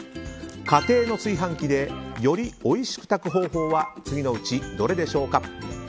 家庭の炊飯器でよりおいしく炊く方法は次のうちどれでしょうか。